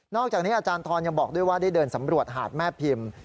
อกจากนี้อาจารย์ทรยังบอกด้วยว่าได้เดินสำรวจหาดแม่พิมพ์